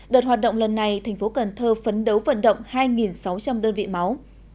đợt hoạt động lần này thành phố cần thơ phấn đấu vận động hai sáu trăm linh đơn vị máu